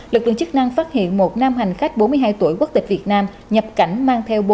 lực lượng chức năng phát hiện một nam hành khách bốn mươi hai tuổi quốc tịch việt nam nhập cảnh mang theo